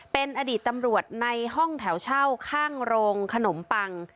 เป็นอดีตตำรวจในห้องแถวเช่าข้างโรงขนมปัง